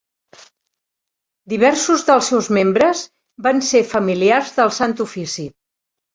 Diversos dels seus membres van ser familiars del Sant Ofici.